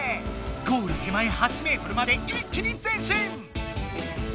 ゴール手前８ｍまで一気に前進！